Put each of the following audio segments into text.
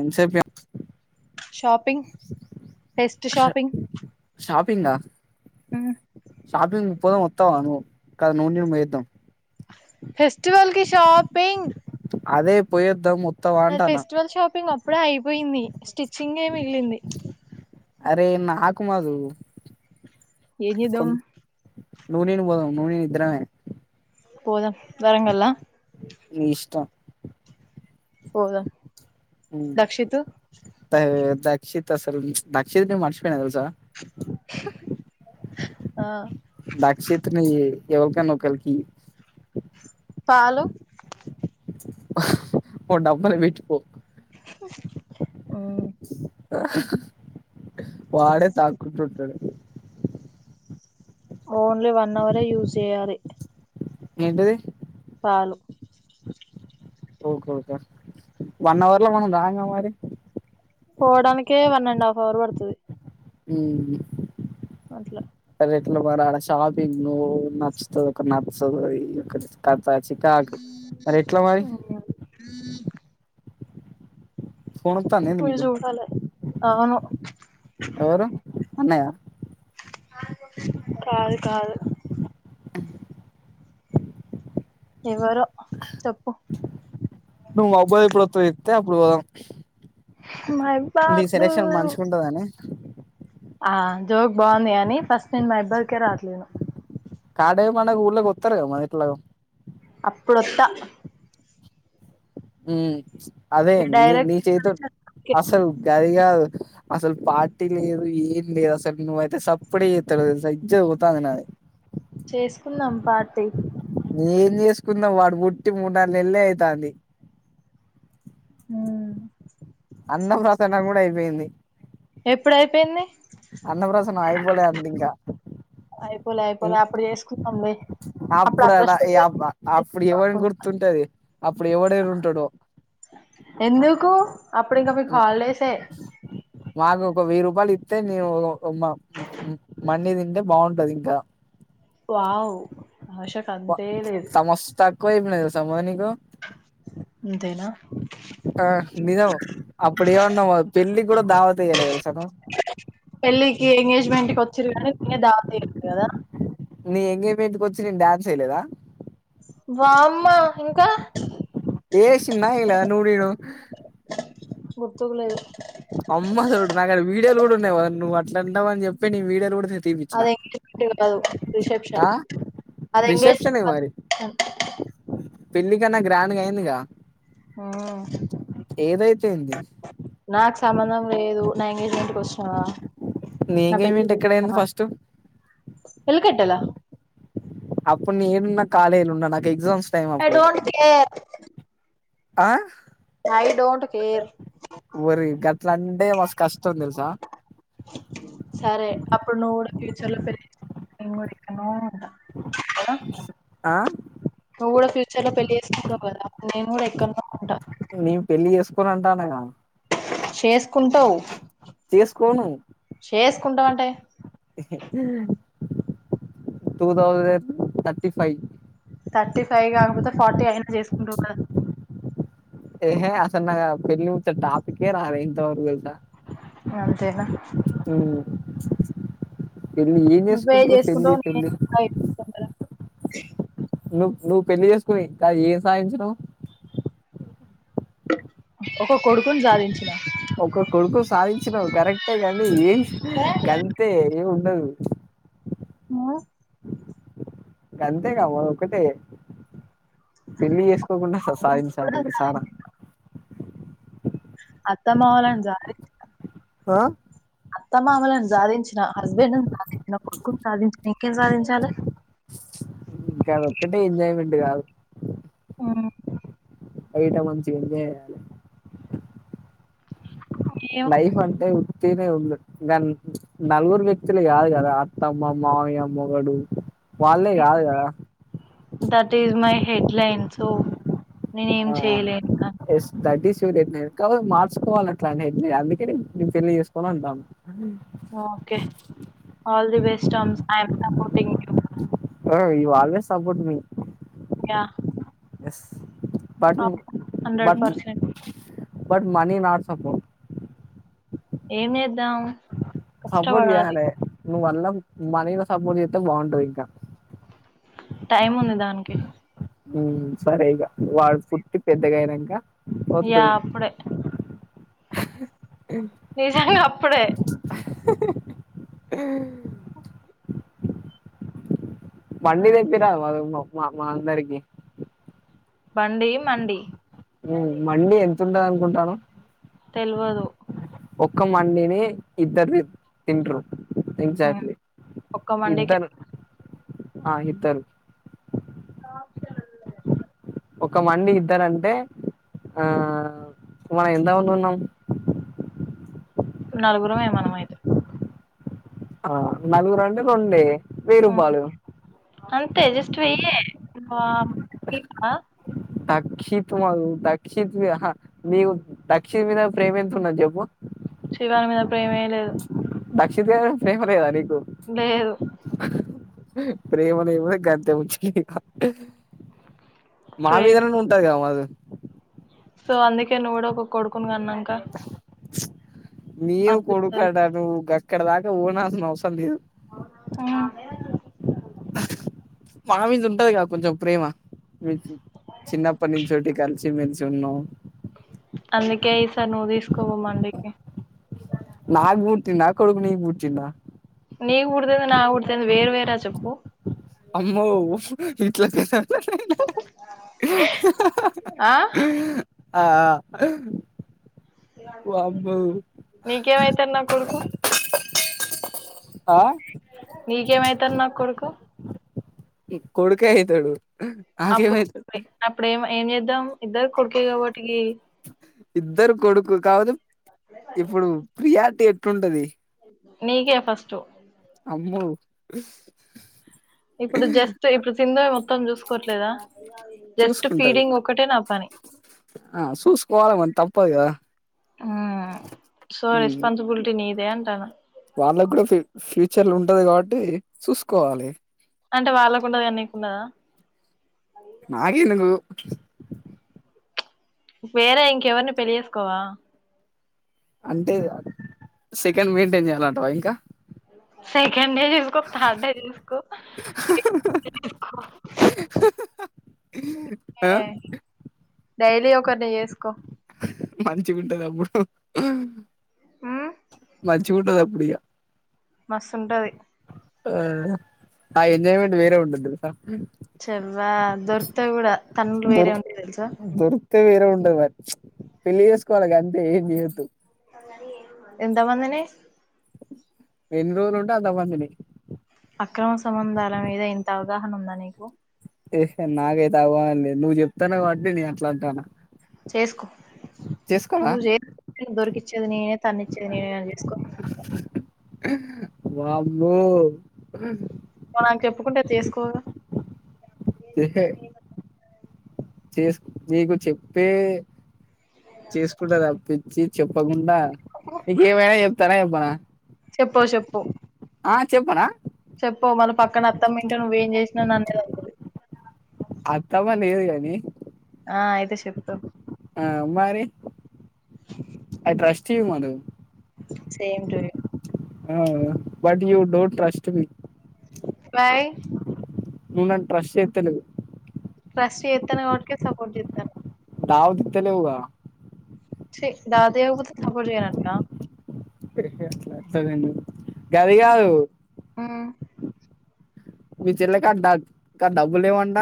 ఎంతసేపు shopping best shopping షాపింగా shopping పోదాం వస్తావా నువ్వు కద నువ్వు నేను పోద్దాం ఫెస్టివల్ కి షాపింగ్ అదే పోయిద్దా మొత్త నా ఫెస్టివల్ షపింగ్ అప్పుడ అయిపోయింది స్టిచ్చింగ్ అరే నాకు కుమదు ఏం చేద్దాం నువ్వు నేను పోదం నువ్వు నేను ఇద్దరమే పోదాం వరంగల్ ల నీ ఇష్టం పోదాం దక్షిత్ చిత్తా అసలు దాక్షిత్ న మర్చిపోయిన తెలుసా ఆ దక్షిత్ ని ఎవరికన్నా ఒకరికి ఇయ్యి పాలు ఓ డబ్బల పెట్టిపో వాడే తాకు తుంటడు ఓన్లీ వన్ అవరే యూస్ చేయాలి ఏంటిది పాలు ఓకేఓకే వన్ అవర్ల మనం రాం గా మరి పోవడానికే వన్ అండ్ హాఫ్ అవర్ పడతుది హ అట్లా రెట్ల మరి ఆడ షాపింగ్ ను నచ్చుతుంది ఒక నచ్చదు చ కాకు మరి ఎట్లా మరి ఫోన్ వాతందా ఏంది మీరు నీకు చూడాలి అవును ఎవరు అన్నయ్య కాదు కాదు ఎవరో చెప్పు నువ్ అబ్బాయి ఇప్పుడు చెప్తే అప్పుడు పోదాం మై నీ బాదు సెలక్షన్ మంచిగా ఉంటదని ఆ జోక్ బాగుంది అని ఫస్ట్ నేను మైబాద్కే రాట్లేను కాడే పండుగ ఊళ్ళకు కొత్తరూ కదా ఎట్లాగు అప్పుడొత్త హ అదే ఇగ నీ నీ డైరెక్ట్ ఇక్కడ చేతో నుంచి అక్కడికే. అసలు గది దు అసలు పార్టీ లేదు ఏం లేదు అసలు నువ్వ అయితే సప్పుడే చేత్తలేవు తెలుసా ఇజ్జత్ పోతంది నాది చేసుకుందాం పార్టీ నేం చేసుకున్నాం వాడు పుట్టి మూడు నాన్నెల్లే అయితాంది మ్మ్ అన్నం ప్రసన్న కూడా అయిపోయింది ఎప్పుడయిపోయింది అన్నపసన అయిపోలే అందీకా పోలే అయిపోలే అప్పుడు చేసుకుందాం లే అప్పుడు అడ నియబ్బ అప్పుడు ఎవనికి అనుకుంటా. గుర్తుంటది అప్పుడు ఎవడేడుంటడో అప్పుడింక మీకు హాల్డేసే మాకు ఒక వెయ్యి రూపాయలు ఇత్తే నేను ఒ మండి తింటే బాగుంటది ఇంకా వావ్ ఆషకు వ అంతే లేదు సమస్త ఎక్కువైపోయినది సమోనికు అంతేనా ఆ నిజము అప్పుడే ఏమన్నమోత్ పెళ్ళి కూడా దావతయ్యలేద సగం మెంట్ కి వచ్చిర్రు కానీ [unintelligible] దావత్ చేయరు కదా నీ ఎంగేజ్మెంట్కి వచ్చి నేను డాన్స్ ఏయలేదా వామ్మ ఇంకా ఏ సిన్న ఏయలేదా నూడిడు గుర్తుకులేదు అమ్మ తోడు నాకాడ వీడియోలు కూడా ఉన్నాయి నువ్వు అట్లాంటవ అని చెప్పి నీ వీడియోలు కూడా తీపిచ్చిన అది ఎంగేజ్మెంట్ కాదు రిసెప్షన్ ఆ అది రిసెప్షన్ ఎంగేజమెట్ ఏ మరి కాదు పెళ్లి కన్నా గ్రాండ్గా అయిందిగా హ్మ్ ఏదైతేయింది నాకు సంబంధం లేదు నా ఎంగేజ్మెంట్కి వచ్చినవా నీ ఎంగేజ్మెంట్ ఎక్కడైంది ఫస్ట్ కట్టలా అప్పుడు నేనున్న కాలేజ్లో ఉన్నా నాకు ఎగ్జామ్స్ టైమ్ ఐ అప్పుడు డోంట్ కేర్ ఆ ఐ డోంట్ కేర్ ఎ మస్ కష్టం దెల్సా సరే అప్పుడు నువ్వు కూడా ఫ్యూచర్ లో పెల్లి [inaudible] ఎక్కడ్నో ఉంటా ఆ నువ్వు కూడా ఫ్యూచర్ లో పెళ్లి చేసుకుంటవు కదా నేను కూడా కనుకుంట నేను పెళ్లి చేసుకోను అంటానగా చేసుకుంటావు చేస్కోను కుంటవ్ అంటే two thousand thirty five thirty five కాకపోతే ఫార్టీ అయినా చేసుకుంటూ కదా ఎహే అసలు [unintelligible] పెళ్ళిముచ్చ టాపికే రాలె ఇంతవరక్ అంతేనా ఉమ్ పెళ్లి ఏం నువ్వే చేసుకుంటారు పెళ్లి చేసుకుంటావు పెళ్లి నేనే నువ్ నువ్వు పెళ్లి చేసుకుని ఇంకా ఏం సాధించినా ఒక కొడుకున్ సాధించిన ఒక్క కొడుకు సాధించినవు కరెక్టే గానీ ఏం గంతే ఎం [unintelligible] మో ఇక అంతేగా [unintelligible] ఒక్కటే పెళ్లి చేసుకోకుండ సాధించాలి కూడా ఇంక చాలా సాధించిన, అత్త మనలని సాధించాలి ఆ అత్తమ్మామలులను సాధించిన హస్బెండ్ కొడుకుని సాధించిన ఇంకేం సాధించాలె ఇంకా అది ఒక్కటే ఎంజాయ్మెంట్ కాదు హ్మ్. అయితె మంచిగ ఎంజాయ్ చేయాలె ఏమో లైఫ్ అంటే ఉంది దనీ నలుగురు వ్యక్తులు కాదు కదా అత్తమ్మ మావయ్య మొగుడు వాళ్ళే కాదు కదా ఎడ్లైన్ సో నేనేం ఆ చేయలేను కానీ. ఎస్ థాట్ ఇస్ [unintelligible] మార్చుకోవాలి అట్లనే అందుకే నేను పెళ్లి చేసుకోను అంటాన్న okay all the best [unintelligible] thank you ఈ వాళవే సపోర్ట్ మీ ఇక yes but but but money not support ఏం ఎద్దాం సబడి జనే నువ వల్ల మనీ లో సపోర్ట్ చేస్తే బాగుంటుంది ఇంకా టైం ఉంది దానికి సరేగా వాడు పుట్టి పెద్దగా అయినాక యా వస్తది అప్పుడె [inaudible] నిజా కప్పుడే [inaudible] వందే పె అ అందారికి బండీ మండి మ్ మండీ ఎంత్ ఉండద్ అనుకుంటాను తెల్వదు ఒక్క మడిని ఇద్దరుది తింటరు హ్మ్. ఎక్జాక్ట్లీ ఒక్క మండికే ఇద్దరు ఆ ఇద్దరు [inaudible] ఒక మండి ఇద్దరంటే ఆ మనం ఎంత మంది ఉన్నాం నలుగురమే మనం అయితే ఆ నలుగురు అంటె రొండే అంతె జస్ట్ వెయ్యే ఆ దక్షిత్ మా దక్షిత్ మీ నీకు దక్షిత్ మీద ప్రేమ ఎంత ఉన్నది చెప్పు శివాని మీద ప్రేమే లేద్ దక్షిత్ గని మీద ప్రేమ లేదా నీక్ [inaudible] లేదు ప్రేమనే ఏ కంత ముంచి మా ప్రేమ మీదరనే ఉంటారు కదా మా అది సో అందుకే నువ్వు కుడ ఒక కొడుకుని గన్ అంకా మీవ కొడుకడా ను గ ఇక్కడ దాకా ఓన్సిన అవసం లేదు వు మా మీద ఉంటది క కొంచెం ప్రేమ మీ చిన్నప్పటి నుంచోటి కలిసి మలిసి ఉన్నాం అందుకే ఈ సార్ నువ్వు తీసుకోవ అడికి నాగ్బతన నా కొడుకు నీగబటినా నీ కుడతేంది నా కుడతేంది వేరు వేర చెప్పు అమ్మో ఇట్లా ఆ ఆ అమ్మో నీకేమవుతారు నా కొడుకు ఆ, నీకేమైతారు నాకు కొడుకు కోడుకాయతడు ఆేమైతు ఏనుదాం ఇద్దరు కొడుకు కాదు ఇప్పుడు ప్రియా అట్టుంటది నకే ఫస్ట్టు అమ ఇప్పుడు జ్యస్త ఇప్పుడు సింద మత్తం మొత్తం చూసుకోవట్లేదా జస్ట్ చూసుకుంటది ఫీడింగ్ ఒకటే నా పని ఆ చూసుకోవాలమని తప్పదు కదా సో రెస్పాన్సిబిలిటీ నీదే అంటాను వాళ్ళకు కూడా ఫ్యూచర్ లో ఉంట ఉంటది కాబట్టి చూసుకోవాలి అంటే వాళ్ళకుండద అన్నకుండదా నాగే ఎంగ వేరే ఇంకెవరిని పెళ్లిేసుకోవా అంటే చికెన్ మెయింటైన్ చేయాలంటవా ఇంకా సై గండ చూసుకో తాడే చూసుకో చసుకో [inaudible] ఆ డైలీ కని ఇసుకో మంచి ఉంటారు అప్పుడు ఉమ్ మంచిి వింటద అడి మస్తు ఉంటది ఆ ఆ ఎన్జోయ్మెంట్ వేర ఉంటంది చెవవా దొరుకుతా కూడా తండులు వేరే ఉంట తెలుసా అే వేరే ఉండ మరి పెళ్లిి చేసుకోవాలి అంతే ఏం చేయదు ఎంతా మందిిన ఎన్ని రోజులు ఉంటే అంతమందిని అక్రమ సంబంధాల మీద ఇంత అవగాహన ఉందా నీకు ఏ నాకైతే అవలేదు నువ్వు చెప్తానే కాబీ నేను అట్లా అంటా చేసుకో చేసుకో దొరికి దిినే తన్నిిన [inaudible] మామ్ో మనం చెప్పుకుంటే తీసుకోరు ఇహ చే నీకు చెప్పే చేసుకుంటారు అ ఇ చెప్పకుంట ంట నక ఏమైనా చెప్తార బన చెప్పు చెప్ప ఆ చెప్పరా చెప్ప మళ పక్కన అత్తం వింటా నువ్వేం చేసినా అనేది అది అత్తమ్మని ఏదిగాని ఆ అయితే చెప్త ఆ మరి ఐ ట్రస్ట్ అద same but you don't trust బ బాయ్ నువ న ట్రష్ట్ చేతలే ట్రస్ట్ ఎత్తాన వాటికే సపోర్ట్ చెతా వ దిత్తలే హవ స దాదయా బతే సపోర్ట్ చేయనంట అలాదం గది కాదు ఉమ్ మీ చెల్లకడ డబ్బులు ఏవంట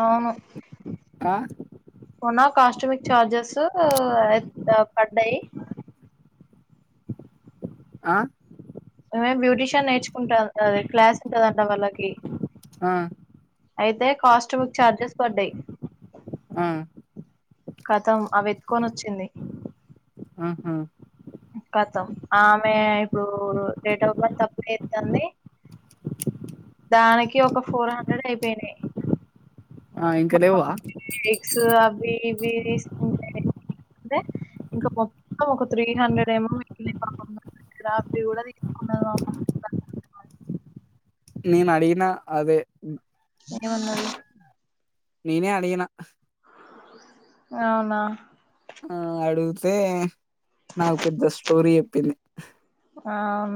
అవును క పోనా కాస్టూమిక్ చార్జస్ పడ్డాయి ఆ ేం బ్యూటీషియన్ నేర్చుకుంటా అది క్లాస్ ఉంటదంట వాళ్ళకి ఆ అయితే కాస్ట్ బక్ చఛార్జెస్ పర్ డే ఆ కతం అవితుకొని వచ్చింది ఆహా కతం ఆమె ఇప్పుడు డేట్ ఆఫ్ బర్త్ అప్పుడు ఏతుంది దానికి ఒక ఫోర్ హండ్రెడ్ అయిపోయినాయి ఆ మా ఇంకాదేవా మమ్మీ ఎగ్స్ అవి ఇవి తీసుకుంటేే ఇంకా మొత్తం ఒక త్రీ హండ్రెడ్ ఏమో అ కూడా తీసుకు నేను అడిగిన అదే ఏ వన్నది ననే అడిగనా అవునా అడుగితే నాకు పెద్ద స్టోరీ చెప్పింది ఆ